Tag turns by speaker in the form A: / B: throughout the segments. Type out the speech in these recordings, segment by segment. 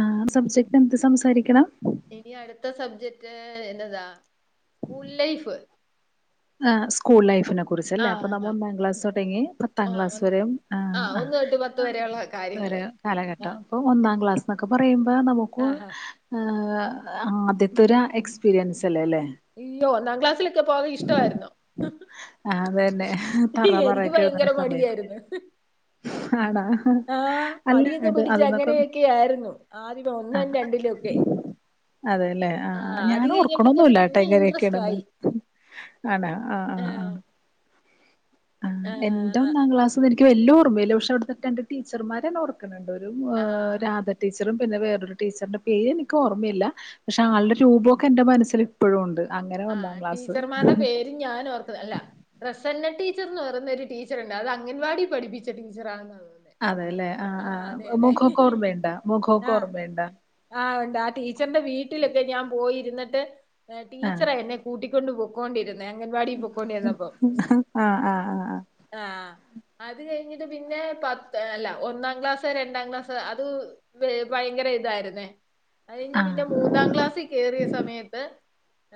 A: ആഹ് subject എന്ത് സംസാരിക്കണം
B: ഇനി അടുത്ത സബ്ജക്ട് എന്നതാ കൂൾ ലൈഫ്
A: ആഹ് സ്കൂൾ ലൈഫിനെക് കുറിച്ചല്ലേ അപ്പ
B: ആഹ്
A: നമ്മ ഒന്നാം ക്ലാസ്സ് തൊടങ്ങി പത്താം
B: ആഹ്
A: ക്ലാസ്
B: ഒന്ന്
A: വരെയും ആഹ്
B: ഒന്ന് തൊട്ട് പത്ത് വരെയുള്ള കാര്യങ്ങള്
A: വരയ കാലഘട്ടം
B: ആഹ്
A: ഇപ്പൊ ഒന്നാം ക്ലാസ് എന്നൊക്കെ പറയുമ്പോ നമുക്ക്
B: ആഹ്
A: ആദ്യത്തെ ഒരു എക്സ്പീരിയൻസ് അല്ലേ ലേ
B: ല്ലോ ഒന്നാം ക്ലാസ്സിലൊക്കെ പോവാൻ ഇഷ്ടവായിരുന്നോ
A: ആഹ് അതന്നെ തറ
B: എനിക്ക്
A: പറയൊക്കെ
B: ഭയങ്കര
A: എഴുതുന്ന സമയം
B: മടിയായിര്ന്ന്
A: ആണാ
B: ആഹ്
A: അല്ല
B: മടിയൊക്കെ
A: അത്
B: പിടിച്ച്
A: അതിന്നൊക്കെ
B: അങ്ങനെയൊക്കെയായിരുന്നു ആദ്യ ഒന്നും
A: ആഹ്
B: രണ്ടിലും ഒക്കെ
A: അതെല്ലേ ആഹാ
B: ആഹ് അത്
A: ഞാൻ
B: കഴിഞ്ഞപ്പോ തൊട്ട്
A: ഓർക്കണൊന്നുംല്ലട്ട
B: പിന്നെ
A: എങ്ങനെക്കേണന്ന്
B: ഏഹാ
A: എന്റെ ഒന്നാം ക്ലാസ്ന്ന്നിക്ക് വലൃ ഓർമ്മയില്ല. പക്ഷേ അവിട്ത്തെ രണ്ട് ടീച്ചർമാരെ ഓർ ഒരു
B: ആഹ്
A: രാധ ടീച്ചറും പിന്നെ വേറൊരു ടീച്ചറിന്റെ പേര് നിക്ക് ഓർമ്മയില്ല. പക്ഷെ
B: ആഹ്
A: ആളുടെ രൂപമൊക്കെ എന്റെ മനസ്സിൽ ഇപ്പോഴും ഉണ്ട് അങ്ങനെ ഒന്നാം ക്ലാസ്
B: ഞാന് ഓർത്തതല്ല പ്രസന്ന ടീച്ചർ എന്ന് പറയുന്നൊരു ടീച്ചറുണ്ട് അത് അംഗൻവാടി പഠിപ്പിച്ച ടീച്ചറ
A: അതെല്ലേ ആ ആ മുഖക്കോർ മയുണ്ടോ മുഖക്കോർമയുണ്ടോ?
B: ആ ഉണ്ട് ആ ടീച്ചറിന്റെ വീട്ടിലെക്കെ ഞാൻ പോയിരുന്നിട്ട്
A: ആ
B: ടീച്ചറെ എന്നെ കൂട്ടി കൊണ്ട് പോക്കോണ്ടിരുന്നേ. അംഗൻവാടി പോക്കൊണ്ടിരുന്നപ്പോ
A: ആ ആ ആ
B: ഹാ. അത് കഴിഞ്ഞിട്ട് പിന്നെ പത്ത് അല്ല ഒന്നാം ക്ലാസ് രണ്ടാം ക്ലാസ് അത് ഭയങ്കര ഇതായിരുന്നേ അത് കഴിഞ്ഞ് പിന്നെ
A: ആ
B: മൂന്നാം ക്ലാസില് കേയറിയ സമയത്ത്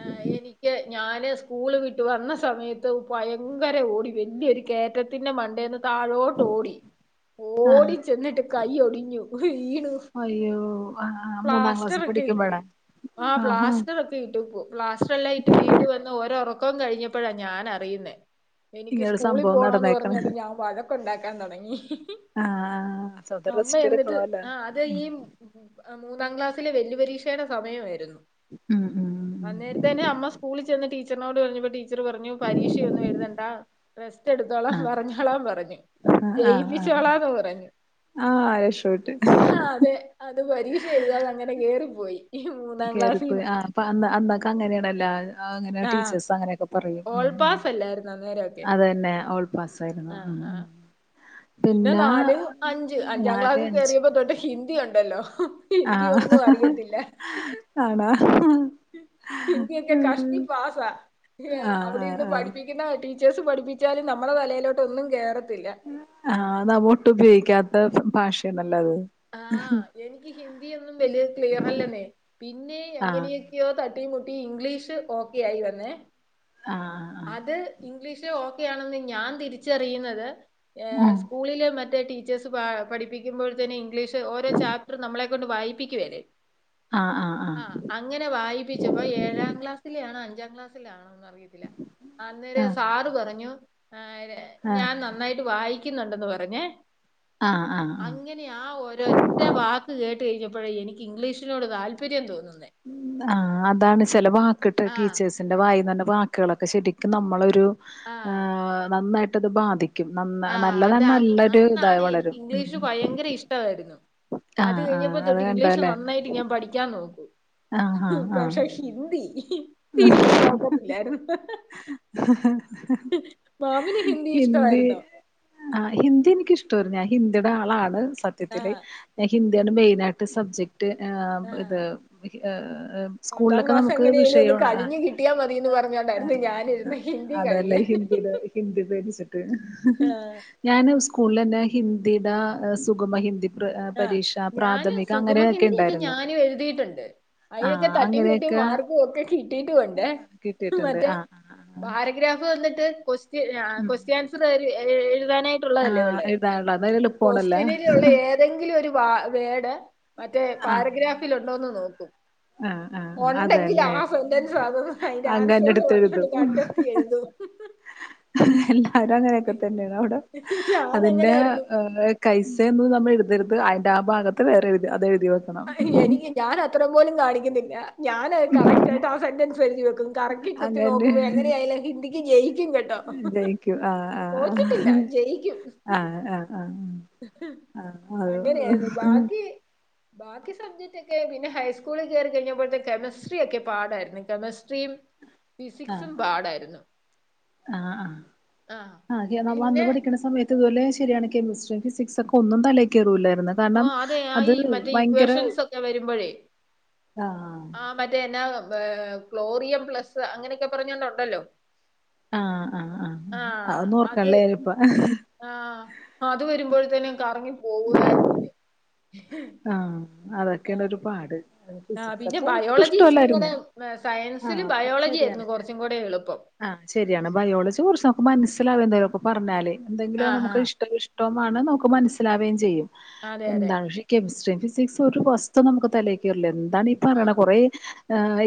B: ആ എനിക്ക് ഞാന് സ്കൂള് വിട്ട് വന്ന സമയത്ത് ഭയങ്കര ഓടി വലിയൊരു കേറ്റ ത്തിന്റെ മണ്ടേന്ന് താഴോട്ട് ഓടി
A: ആ
B: ഓടിച്ചെന്നിട്ട് കൈ ഒടിഞ്ഞു ഈ [unintelligible]
A: അയ്യോ ആ ആ മൂന്നാം ക്ലാസ്സിൽ
B: പ്ലാസ്റ്ററൊക്കെ ഇട്ടു.
A: പഠിക്കുമ്പോഴാ
B: ആ
A: ആഹാ
B: പ്ലാസ്റ്ററൊ വീട്ട്പൊ പ്ലാസ്റ്ററെല്ലാം ഇട്ട് വീട്ട് വന്ന് ഓരോറക്കം കഴിഞ്ഞപ്പോഴാ ഞാനറിയുന്നേ. എനിക്ക്
A: ഇങ്ങനൊരു
B: സ്കൂളിൽ
A: സംഭവം
B: പോണോന്ന്
A: നടന്നേക്കണ്
B: പറഞ്ഞോണ്ട് ഞാൻ വഴക്ക് ഒണ്ടാക്കാൻ തുടങ്ങി. ഹി ഹി
A: ആ ആ സ്വന്തം
B: അമ്മ
A: റെസ്റ്റ്
B: എന്നിട്ട്
A: എടുക്കണല്ലോ
B: ആഹ അതെ
A: ഉം
B: ഈ മൂന്നാം ക്ലാസ്സിലെ വെല്യ പരീക്ഷയുടെ സമയമായിരുന്നു.
A: മ് മ് ഹ്
B: അന്നേരത്തേന്ന് അമ്മ സ്കൂളിൽ ചെന്ന് ടീച്ചറിനോട് പറഞ്ഞപ്പോ ടീച്ചർ പറഞ്ഞു പരീക്ഷയൊന്നെഴുതണ്ടാ. റെസ്റ്റ് എടുത്തോളാം
A: ആ
B: പറഞ്ഞോളാം പറഞ്ഞു.
A: ആ
B: ജയിപ്പിച്ചോളാന്ന് പറഞ്ഞു.
A: അ രക്ഷപ്പെട്ട്.
B: ആ അതെ അത് പരീക്ഷ എഴുതാതെ അങ്ങനെ കേറിപ്പോയി. ഈ മൂന്നാം
A: കേറി പോയി
B: ക്ലാസ്സിന്ന്
A: ആ അ അന്നൊക്കെ അങ്ങനെയണല്ലോ അങ്ങനെ
B: ആ
A: ടീച്ചേഴ്സ് അങ്ങനെയൊക്കെ പറയും.
B: ഓൾ പാസ് അല്ലായിരുന്നോ അന്നേരമൊക്കെ
A: അതന്നെ ഓൾ പാസ് ആയിരുന്നു.
B: ആ
A: ഉം
B: ആ പിന്നെ നാല് അഞ്ച് അഞ്ചാം
A: നാല്
B: ക്ലാസ്സിൽ
A: അഞ്ച്
B: കേറിയപ്പോ തൊട്ട് ഹിന്ദി ഉണ്ടല്ലോ.
A: ആ
B: ഹിന്ദി ഒന്നും അറിയത്തില്ല.
A: ആണോ
B: ഹിന്ദിയൊക്കെ
A: ഉം.
B: കഷ്ട്ടി പാസാ.
A: ആ ആ
B: അവിടെയിരുന്ന്
A: ആ
B: പഠി പ്പിക്കുന്ന ടീച്ചേഴ്സ് പഠിപ്പിച്ചാലും നമ്മുടെ തലയിലോട്ട് ഒന്നും കേറത്തില്ല.
A: ആ നമ്മളൊട്ടുപയോഗിക്കാത്ത ഭാഷയണല്ലോ അത്.
B: ആഹ് എനിക്ക് ഹിന്ദിയൊന്നും വലിയ ക്ലിയർല്ലെന്നെ. പിന്നെ
A: ആ
B: എങ്ങനെയൊ യോ തട്ടീം മുട്ടി ഇംഗ്ലീഷ് ഓക്കെ ആയി വന്നെ.
A: ആ അ
B: അത് ഇംഗ്ലീഷ് ഓക്കെയാണെന്ന് ഞാൻ തിരിച്ചറിയുന്നത് സ്കൂളിലെ മറ്റ് ടീച്ചേഴ്സ് പഠിപ്പിക്കുമ്പോൾതേന് ഇംഗ്ലീഷ് ഓരോ ചാപ്റ്റർ നമ്മളെ കൊണ്ട് വായിപ്പിക്കുവേലെ.
A: ആ ആ ആ ആ
B: ആഹ അങ്ങനെ വായിപ്പിച്ചപ്പൊ ഏഴാം ക്ലാസ്സിലെയാണോ അഞ്ചാം ക്ലാസസി ആണോ അറിയത്തില്ല. അന്നേരെ
A: ആ
B: സാറ് പറഞ്ഞു എ
A: ആ
B: ഞാൻ നന്നായിട്ട് വായിക്കുന്നുണ്ടെന്ന് പറഞ്ഞേ.
A: ആഹ് ആഹ് ആഹ്.
B: അങ്ങനെ ആ ഒരൊറ്റ വാക്ക് കേട്ട് കഴിഞ്ഞപ്പൊഴേ എനിക്ക് ഇംഗ്ലീഷിനോട് താല്പര്യം തോന്നുന്നേ.
A: ആഹ് അതാണ്. ചെല വാക്ക്ട്ട്
B: ആഹ്
A: ടീച്ചേഴ്സ് വായേന്ന് വരുന്ന വാക്ക്കളൊക്കെ ശരിക്കും നമ്മളൊരു
B: ആഹ്
A: ഏഹ് നന്നായിട്ടത് ബാധി നന്നാ
B: ആഹ് അത്
A: നല്ലതാണെ
B: അന്ന്
A: നല്ലൊരു ഇതായി വളരും. ഉം
B: ടായിരുന്നു അത്
A: ആഹ് ആഹ്
B: കഴിഞ്ഞപ്പൊ
A: അത്
B: തൊട്ട് ഇംഗ്ലീഷ്
A: കണ്ടല്ലേ
B: നന്നായിട്ട് ഞാൻ പഠിക്കാൻ നോക്കി.
A: ആഹ് ആഹ് ആഹ്
B: പഷേ ഹിന്ദി തിരിഞ്ഞു നോക്കത്തില്ലായിരുന്നു.
A: ഹ ഹ
B: മാമിന്
A: ഹിന്ദി.
B: ഇഷ്ടമായിരുന്നോ
A: ആഹ് ഹിന്ദി എനിക്കിഷ്ടായിരുന്നു ഞാൻ ഹിന്ദിയുടെ ആളാണ് സത്യത്തില്
B: ആഹ്
A: ഹിന്ദിയാണ് മെയിനായിട്ട് സബ്ജക്ട് ആഹ് ഇത് ഏഹ്
B: പത്താം ക്ലാസ് എങ്ങനേലും ഒന്ന് കഴിഞ് കിട്ടിയാമതിന്ന് പറഞ്ഞണ്ടായിരുന്നു ഞാനിരുന്നേ ഹിന്ദി
A: അതല്ലേ
B: കഴിയാൻ
A: ഹിന്ദിയുടെ ഹിന്ദി പേടിച്ചിട്ട്
B: ആഹ്
A: ഞാന് സ്കൂള്ളെന്നേ ഹിന്ദിടാ സുഗമ ഹിന്ദി
B: ആഹ്
A: പരീക്ഷ
B: ഞാന്
A: പ്രാഥമിക അങ്ങനെയൊക്കെ
B: സുഖുമഹിന്ദിയൊക്കെ
A: ഉണ്ടായിരുന്നു
B: ഞാനു എഴുതിയിട്ടുണ്ട് അയിനൊക്കെ
A: ആഹ്
B: തട്ടീംമുട്ടീം
A: അങ്ങനെയൊക്കെ
B: മാർ ക്കെക്കെ കിട്ടീട്ടുണ്ടേ
A: കിട്ടിയിട്ടുണ്ട്
B: മറ്റേ
A: ആഹ് ആഹ്
B: പാരഗ്രാഫ് വന്നിട്ട് കൊസ് റ്റ് ഞാൻ
A: ഉം
B: കൊസ്റ്റ്യാൻസറര് എഴു എഴുതാന ട്ടുള്ളതല്ലേ
A: ആഹ്
B: ഉള്ളേ
A: എഴുതാനുള്ള അത് എളുപ്പമാണല്ലോ
B: കൊസ്റ്റനര്യള്ള ഏ തെങ്കിലും ഒരു വ വേഡ് മറ്റേ
A: ആഹ്
B: പാരഗ്രാഫിലുണ്ടോന്ന് നോക്കും
A: ആഹ് ആഹ്
B: ഒണ്ടെങ്കില്
A: അതന്നെ
B: ആ സന്റെൻസും അതു അയിന്റെ
A: അങ്ങന്റെ
B: ആൻസറും
A: അടുത്ത്
B: അതു
A: എഴുതും
B: കണ്ടെത്തി എഴുതും ഹ്‌ ഹ്‌
A: എല്ലാരും അങ്ങനെയൊക്കെതന്നേണ് അവ്ടെ
B: ഞാൻ
A: അതിന്റെ
B: അങ്ങനായിരുന്നു
A: ഏ കൈസേന്ന് നമ്മൾ എഴതരുത് അയിന്റെ ആ ഭാഗത്ത് വേറെ എഴുതി അതഎഴുതിവെ
B: എനി ഞാനത്രേപോലും കാണിക്കിന്നില്ല ഞാനഹ് കറക്റ്റായിട്ട് ആ സൻന്റൻസ് എഴുതി വെക്കും കറക്കി കുത്തി
A: അങ്ങനെ
B: നോക്കുമ്പോ എങ്ങനെയായാലും ഹിന്ദിക്ക് ജയിക്കും കേട്ടോ
A: ജയിക്കും ആഹ് ആഹ്
B: തോറ്റിട്ടില്ല ജയിക്കും.
A: ആഹ് ആഹ് ആഹ് ആഹ് അതൊള്ളു
B: അങ്ങനെയായിരുന്നു.
A: ഹ്‌.
B: ബാക്കി ബാക്കി സബ്ജക്റ്റൊക്കെ പിന്ന ഹൈസ്കൂളിൽ കയറി കഴിഞ്ഞപ്പോഴത്തെ കെമിസ്ട്രിയ ഒക്കെ പാടായിരുന്നു കെമിസ്ട്രിയും
A: ആഹ്
B: ഫിസിക്സും പാടായിരുന്നു
A: ആഹ് ആഹ് ആഹ് കീയന്ന വന്ന്
B: പിന്നെ
A: പഠിക്ക്ണ സമയ ത്ത്പോലെ ശരിയാണ് കെമിസ്ട്രി ഫിസിക്സൊക്കെ ഒന്നും തലേകേറൂലായിരുന്നു
B: ഓ
A: കാണം
B: അതെ ആ
A: അത്
B: ഈ മറ്റേ
A: ഭയങ്കര
B: ഇക്വേഷൻസ് ഒക്കെ
A: ആഹ്
B: മറ്റേന്നാ ക്ലോറിയം പ്ലസ്സ് അങ്ങനെയൊക്കെ പറഞ്ഞാണ്ടുണ്ടല്ലോ
A: ആഹ് ആഹ് ആഹ് ആന്നു
B: അത്
A: ഓർക്കള്ളേര് ഇപ്പം
B: ആഹ് അത് വരുമ്പോഴ്തേനും കറങ്ങി പോവായിരുന്നില്ലേ ഹ്‌.
A: ആഹ് അതൊക്കെണൊരു പാട്
B: ആഹ്
A: ഫിസിക്സ്
B: പിന്നെ
A: ഒക്കെ ഒട്ടും
B: ബയോളജി ഇച്ചിരികൂടെ
A: ഇഷ്ടമല്ലായിരുന്നു
B: സയൻസില്
A: ആഹ്
B: ബയോളജി
A: ശരിയാണ്
B: ആയിരുന്നു കുറച്ചും കൂടെ എളുപ്പം
A: ആഹ് ശരിയാണ് ബയോളജി കൊറച്ചൊക്കെ മനസ്സിലാവേ എന്തേലൊക്കെ പറഞ്ഞാല് എന്തെങ്കിലോ
B: ആഹ്
A: നമുക്ക്
B: ആഹ്
A: ഇഷ്ടഷ് ട്ടവുമാണം നമുക്ക് മനസ്സിലാവയു ചെയ്യും
B: അതെ അതെ
A: എന്താക്ഷി കെമിസ്ട്രിയു ഫിസിക്സു ഒരു വസ്തു നമുക്ക് തലേക്കറില്ല എന്താണ് ഈ പറണ
B: ആഹ്
A: കുറേ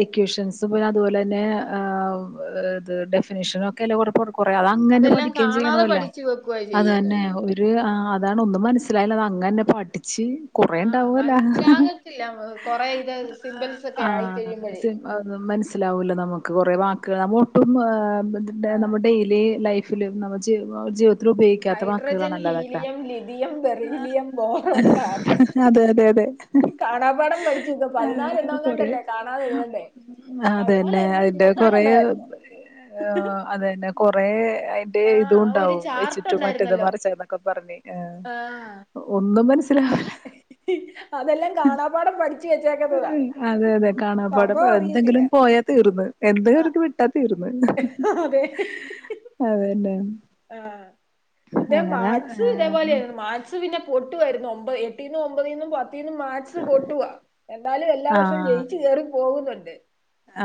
A: ഇക്യോഷൻസ് ത് അതുപോലെ തന്നെ
B: ആഹ്
A: ഇത് ഡെഫിനിശിനൊക്കെല്ലോ ഇവട കൊട് കൊറേ അതങ്ങെന്നേ
B: അതെല്ലാം
A: പഠിക്യയും
B: കാണാതെ
A: ചെയ്യണോല്ലേ
B: പഠിച്ചു വെക്കുവാ
A: അത്
B: ചെയ്യുന്നത്
A: തന്നെ ഒയി ര് ആഹ് അതാണ് ഒന്നും മനസ്സിലായില്ല അത് അങ്ങന്നെ പഠിച്ച്
B: ആഹ്
A: കൊറെണ്ടാവൊല്ലോ
B: മനസ്സിലാകത്തില്ല കൊറെ ഇത് സിമ്പിൾസ് ഒക്കെ ആയി
A: ആഹ്
B: കഴിയുമ്പോഴേ
A: അഹ്സെ അന്നും മനസ്സിലാവൂല നമുക്ക് കൊറേ വാക്കുകള് നമ്മ ഒട്ടും ഏഹ് ടെ
B: ആഹ്
A: നമ്മ ഇലേ ലൈ ഫിലു നമജി ബാജി
B: hydrogen helium lithium beryllium boron carbon
A: അതെ അതെ അതെ
B: കാണാപാഠം പഠിച്ചിക്ക
A: ആഹ് കൊറെ
B: പതിനാലണ്ണംങ്ങാണ്ടല്ലേ കാണാതെഴുതേണ്ടേ
A: അതന്നെ അയിന്റന്നെ കൊറേ അതന്നെ കൊറേ അയി റ്റേ
B: ആഹ് ഒരു
A: ഇതുണ്ടാവു
B: ചാർട്ട്
A: എച്ചിറ്റു മറ്റേത്
B: ഉണ്ടായിരുന്നല്ലോ
A: മർച്ചന്നൊക്കെ പറഞ്ഞ് ഏ ഒന്നും മനസ്സിലാവല
B: ഹ്‌ അതെല്ലാ കാണാപ്പാഠം പഠി
A: അതെ അതെ കാണാപാഠ
B: സംഭവം അറിയത്തില്ല
A: എന്തെങ്കിലും പോയാ തീർന്ന് എന്തേ എട വി ട്ടാ തീർന്ന്
B: അതെ
A: അതന്നെ
B: ആഹ് പിന്നെ
A: അങ്ങനെ
B: മാച്ച്
A: ഏഹ്
B: ഇതേപോലെന്ന് മാച്ച് ത് പിന്നെ പൊട്ടുവായിര്ന്നു ഒമ്പ് എട്ടീന്നു ഒമ്പതീന്നു പത്തീന്നും മാ ക്സ് പൊട്ടുവാ എന്നാലും എല്ലാ വർഷം
A: ആഹ്
B: ജയിച്ച് കേറി പോകുന്ന്ണ്ട്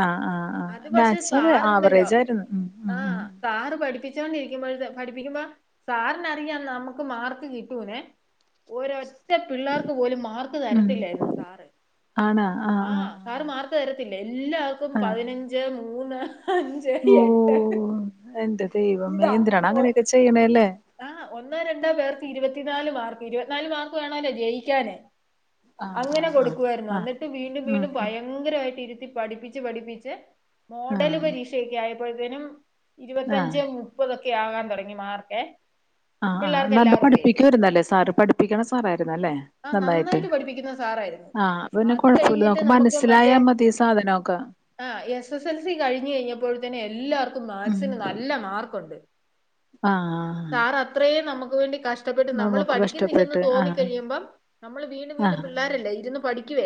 A: ആഹ് ആഹ് ആഹ്
B: അത് പക്ഷെ
A: മാത്സ് ഒരു
B: സാറ്ണ്ടല്ലോ
A: ആവറേജ് ആയിരുന്നു ഉം ഉം
B: ആഹ് സാറ് പഠിപ്പിച്ചോണ്ടിരി ക്കുമ്പൊ പഠിപ്പിക്കുമ്പോ സാറിനറിയാം നമുക്ക് മാർക്ക് കിട്ടൂന്നെ ഓരൊറ്റ പിള്ളാർക്ക് പോലും മാർക്ക്
A: ഉം ഉം
B: തരത്തില്ലേരുന്നു സാറ്
A: ആണാ ആഹ്
B: ആ
A: ആഹ്
B: സാറ് മാർക്ക് തരത്തില്ലെ എല്ലാർക്കും
A: ആഹ് ആഹ്
B: പതിനഞ്ച് മൂന്ന് ഹഞ്ച് എട്ട്
A: ഓഹ് എന്റെ ദൈവമേ എന്തിനാണങ്ങനെയൊക്കെ ചെയ്യ്ണേല്ലേ
B: ആ ഒന്നോ രണ്ടോ പേർക്ക് ഇരുപത്തിനാല് മാർക്ക് ഇരുപത്തിനാല് മാർക്ക് വേണോല്ലോ ജയിക്കാന്
A: ആഹ്
B: അങ്ങനെ
A: ആഹ്
B: കൊടുക്കുവായിരുന്നു
A: ആഹ് ആഹ്
B: ന്ന്ട്ട് വീണ്ടും
A: ഉം
B: വീണ്ടും
A: ഉം
B: ഭയം ഭയങ്കരവായിട്ട് ഇരുത്തി പഠിപ്പിച്ച് പഠിപ്പിച്ച് മോഡല്
A: ആഹ്
B: പരീക്ഷയൊക്കെ ആയപ്പോയിത്തിനും
A: ആഹ്
B: ഇരുപെത്തഞ്ച് മുപ്പതൊക്കെ ആകാൻ തുടങ്ങി മാർക്കെ
A: ആ ആ
B: പിള്ളേർക്ക്
A: നല്ല
B: എല്ലാവർക്കുവേ
A: പഠിപ്പിക്കുവായിരുന്നല്ലേ സാറ് പഠിപ്പിക്ക്ണ സാറായിരുന്നല്ലേ
B: ആഹ്
A: നന്നായിട്ട്
B: പഠിപ്പിക്കുന്ന സാറായിരുന്നു
A: ആ അപ്പ പിന്നെ
B: അത്
A: കൊഴപ്പല്ല
B: കഴിഞ്ഞിട്ട്
A: നമക്ക് മനസ്സിലായാ മതി സാധനൊക്കെ
B: ആ എസ സ ൽ സി കഴിഞ്ഞ് കയിഞ്ഞപ്പോത്തിന് എല്ലാർക്കും മാക്സിന് നല്ല മാർക്കുണ്ട്
A: ആ
B: ത്രേയും നമക്ക് വേണ്ടി കഷ്ടപ്പെട്ട് നമ്മൾ പഠിക്ക്ന്നില്ലെന്ന്
A: കഷ്ടപ്പെട്ട് ആഹ്
B: തോന്നിക്കഴിയുമ്പം നമ്മള് വീണ്ടും വീണ്ടും
A: ആഹ്
B: പിള്ളേരല്ലേ ഇരുന്ന് പഠിക്കുവേ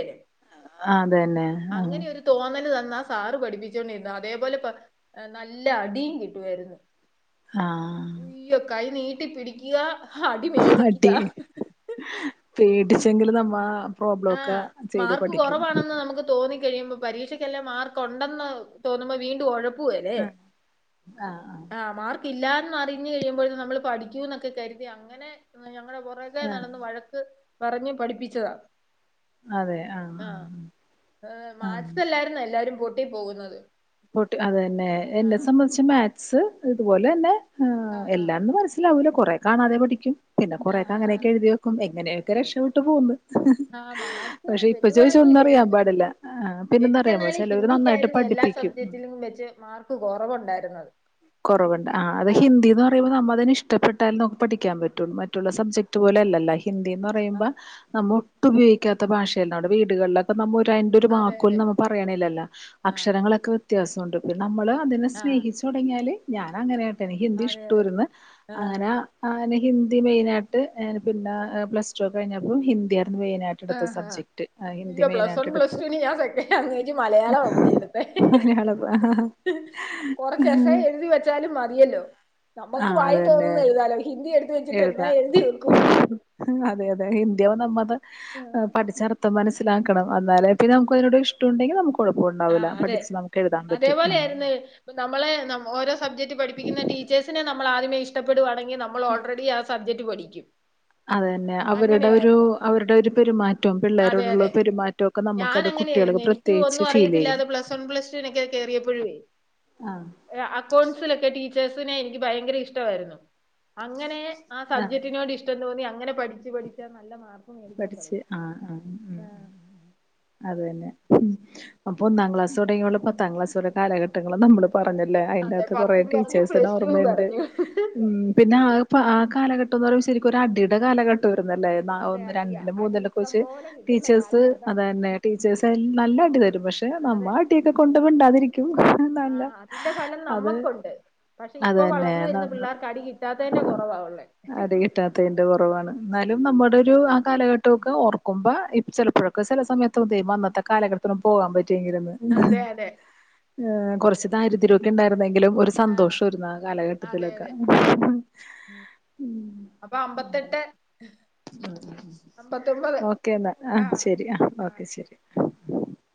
A: അതന്നെ ആഹ്
B: അങ്ങനെയൊരു തോന്നല് തന്നാ സാറ് പഠിപ്പിച്ചോണ്ടിരുന്ന അതേപോലെ പറ നല്ല അടിം കിട്ടുവായിരുന്നു
A: ആ
B: ഇയ്യൊ കൈ നീട്ടി പിടിക്ക്ക
A: അടി പേട്ടിച്ചെങ്കില്തമ്മാ
B: ആ മാർക്ക് കൊറവാണെന്ന് നമക്ക് തോന്നി കഴിയുമ്പൊം പരീക്ഷക്കെല്ലാം മാർക്കൊണ്ടെന്ന് തോന്നുമ്പൊ വീണ്ടും ഒഴപ്പ് പ്പൂവലെ
A: ആഹ് ആഹ്
B: ആ മാർ ക്കില്ലാന്ന് അറിഞ്ഞ് കഴിയുമ്പോഴും നമ്മള് പഠിക്കൂന്നൊക്കെ കരുതി അങ്ങനെ ഞങ്ങളെ പൊറേ കേ
A: ആഹ്
B: നടന്ന് വഴക്ക് പറഞ്ഞ് പഠിപ്പിച്ചതാ
A: അതെ ആ
B: ആ ഏ മാക്സ് അല്ലായിരുന്നോ എല്ലാരും പൊട്ടി പോകുന്നത്
A: പൊട്ടി അതന്നെ എന്നെ
B: ആഹ്
A: സംബന്ധിച്ച് മാക്സ് ഇതുപോലെന്നെ ഏ
B: ആഹ്
A: എല്ലാംന്ന് മനസ്സി ലാവൂല കൊറേ കാണാതെ പഠിക്കും പിന്നെ
B: ആഹ്
A: കുറേക്കങ്ങനെയൊക്കെഴുതി വെക്കും എങ്ങനെയൊക്കെ രക്ഷപ്പെട്ട് പോന്ന് ഹ് ഹ്
B: ആഹ് മാത്സ്
A: പക്ഷെ ഇപ്പൊ
B: വല്യ
A: ചോദിച്ച ഒന്നും അറിയാൻ
B: കുഴപ്പമില്ലായിരുന്നു
A: പാടില്ല ആ പിന്നെന്താന്നറിയാമോ ചെിലര് നന്നായിട്ട് പഠിപ്പിക്കും
B: ചിറ്റിലും വെച്ച് മാർക്ക് കൊറവുണ്ടായിരുന്നത്
A: കൊറവ്ണ്ട് ആ അത് ഹിന്ദിന്ന് പറ റയ്മ്പൊ നമ്മതിന് ഇഷ്ടപ്പെട്ടാല് നോ പഠിക്കാൻ പറ്റും മറ്റുള്ള സബ്ജക്റ്റ് പോലല്ലല്ലോ ഹിന്ദീന്ന് റയുമ്പ
B: ആഹ്
A: നമ്മൊട്ടും പയോഗിക്കാത്ത ഭാഷണ്ടാ [unintelligible] നമ്മുടെ വീടുകളിലൊ അപ്പൊ നമ്മൊരയ്ൻ്റൊരു
B: അതെ
A: വാക്കോ ലും
B: അതെ
A: നമ്മ പറയ്ണിലല്ലൊ
B: ആഹ്
A: അക്ഷരങ്ങളൊക്കെ വ്ത്യാസോണ്ട് നമ്മള് അതിനെ
B: ആഹ്
A: സ്നേഹിച്ചൊടങ്ങിയാല് ഞാനങ്ങനേട്ടാ എനിക്ക് ഹിന്ദി
B: അതെ അതെ
A: ഇഷ്ടൊര്ന്ന്
B: ആഹ്
A: അങ്ങനെ ആ നെ ഹിന്ദി മെയിനായിട്ട് ഏന് പിന്നെ പ്ലസ് ടു ഒക്കെ കഴിഞ്ഞപ്പൊ ഹിന്ദി ആയിരുന്നു മെയിനായിട്ട് ട്ട്ട്ത്ത
B: ആഹ് ആഹ്
A: സബ്ജെക്റ്റ് ആ ഹിന്ദി
B: അയ്യോ പ്ലസ് വൺ പ്ലസ്
A: മെയിനായിട്ട്ട്ത്ത്
B: ടുവിന് ഞാൻ സെക്കൻഡ് ലാംഗ്വേജ് മലയാളമാ
A: [unintelligible] മലയാളം ആ ഹാഹാ
B: കൊറച്ചെസ്സേ എഴുതി വെ ചാലും മതിയല്ലോ
A: ആ
B: നമ്ക്ക്
A: അത്
B: വായി തോന്നുന്ന
A: തന്നെ
B: എഴുതാലോ ഹിന്ദി എടുത്ത് വെച്ചിട്ട് എന്നാ
A: എഴുതാ
B: എഴുതി വെക്കും [unintelligible]
A: അതെ തെ ഹിന്ദി നമ്മത് പഠിച്ചർത്തം മനസ്സ് സിലാക്കണം എന്നാലെ പിന്നെ നമ്ക്ക് അതിനോട് ഇഷ്ടുണ്ടെങ്കിൽ നമുക്കുകുഴപ്പണ്ടാവില്ല
B: ആഹ്
A: പഠിച് നമുക്ക് എഴുൻ പറ്റും അ
B: നമ്മളേ നമ് ഓരോ സബ്ജക്ട് പഠിപ്പിക്കുന്ന ടീച്ചേഴ്സിനെ നമ്മളാദ്യമേ ഇഷ്ടപ്പെടുവാണെങ്കിൽ നമ്മൾ ഓൾറെഡി ആ സബ്ജെക്ട് പഠിക്കും
A: അതെന്നെ അവരുടെ ഒരു
B: അങ്ങനെയായിരുന്നു
A: അവരുടെ ഒരു പെരുമാറ്റൊം
B: അതെ
A: പിള്ളേരോടുള്ള പെരുമാറ്റൊക്കെ നമക്കത് [unintelligible] കുട്ടിളൊൾക്ക്
B: ഇക്കു ഒന്നും അറിയത്തില്ലാതെ പ്ലസ് വൺ പ്ലസ് ടൂനൊക്കെ കേറിയപ്പെഴേ
A: ആ
B: എഅക്കൗണ്ട്സിലൊക്കെ ടീച്ചേഴ്സിനെ നിക്ക് ഭയങ്കര ഇഷ്ടമായിരുന്നു അങ്ങനെ ആ സബ്ജെക്ടിനോട് ഇഷ്ടം തോന്നി അങ്ങനെ പഠച്ച് പഠിച്ചാ നല്ല മാർക്ക് മേടിക്കാൻ
A: പഠച്ച്
B: തുടങ്ങി
A: ആ ആ ഉം
B: ആ,
A: അതന്നെ മ് അപ്പൊ ഒന്നാം ക്ലാസൊടങ്ങിയൊള് പത്താം ക്ലാസ്സ് വരെ കാലഘട്ടങ്ങൾ നമ്മള് പറഞ്ഞല്ലേ അതിന്റെ
B: അതെ
A: അകത്ത് കൊറേ
B: പത്തും പറഞ്ഞു
A: ടീച്ചേഴ്സിന്
B: പ്ലസ് ടുവും
A: ഓർമ്മയുണ്ട്
B: പറഞ്ഞു
A: ഉം പിന്നെ- ഇപ്പ ആ കാലഘട്ടം എന്ന് പറുമ്പോ ശരിക്കും ഒരു അടിയുടെ കാലഘട്ടം ആയിരുന്നല്ലേ ഓഹ്
B: അതെ അടിയാ
A: രണ്ടില്
B: അടി
A: മൂന്നിലൊക്കെ
B: ഇഷ്ടം
A: വച്ച്
B: പോലെ കിട്ടുന്ന
A: ടീച്ചേഴ്സ്
B: കാലഘട്ടം
A: അത് തന്നെ ടീച്ചേഴ്സ് നല്ല അടി തരും പക്ഷെ- പക്ഷെ
B: അതെ
A: നമ്മള് അടിയൊക്കെ കൊണ്ട് മിണ്ടാതിരിക്കും നല്ല
B: ആഹ് അതിന്റെ ഫലം
A: അത്-
B: നമ്മക്കുണ്ട് പക്ഷെ ഇപ്പൊ
A: അതന്നെ
B: വളർന്ന വരുന്ന
A: നമ്മ
B: പിള്ളേർക്ക് അടി കിട്ടാത്തേന്റെ കൊറവാവുള്ളേ
A: അടി കിട്ടാത്തതിന്റെ കൊറവാണ് എന്നാലും നമ്മുടെ ഒരു- കാലഘട്ടമൊക്കെ ഓർക്കുമ്പോ ഇ ചെലപ്പോഴൊക്കെ ചെല സമയത്ത് ചെയ്യും അന്നത്തെ കാലഘട്ടത്തിലും പോകാൻ പറ്റിയെങ്കിൽ എന്ന്
B: അതെ അതെ
A: കൊറച്ച് ദാരിദ്ര്യക്കെ ഇണ്ടായിരുന്നെങ്കിലും ഒരു-
B: ആഹ്
A: സന്തോഷയിരുന്നു ആ
B: അതെ
A: കാലഘട്ടത്തിലൊക്കെ
B: അതെ
A: ഉം
B: ഉം അപ്പൊ
A: ഉം [unintelligible]
B: അപത്തൊമ്പത് [unintelligible]
A: ഓക്കേ എന്നാ ആഹ് ശരി ആഹ് ഓക്കെ ശരി